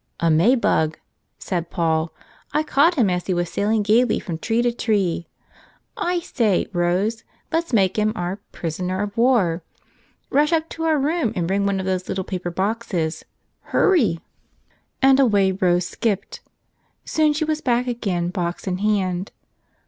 "A May bug," said Paul. "I caught him as he was sailing gaily from tree to tree. I say, Rose, let's make him our 'prisoner of war'. Rush up to our room and bring one of those little paper boxes. Hurry!" And away Rose skipped. Soon she was back again, box in hand.